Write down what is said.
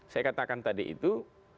saya katakan tadi itu